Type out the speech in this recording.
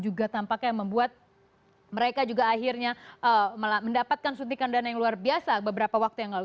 ini adalah salah satu game favorit yang juga tampaknya membuat mereka juga akhirnya mendapatkan suntikan dana yang luar biasa beberapa waktu yang lalu